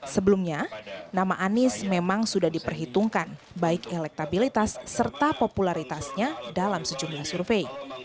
sebelumnya nama anies memang sudah diperhitungkan baik elektabilitas serta popularitasnya dalam sejumlah survei